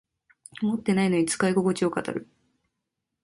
持ってないのに使いここちを語る